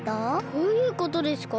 どういうことですか？